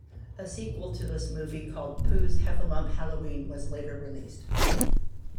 A sequel to this movie called "Pooh's Heffalump Halloween", was later released.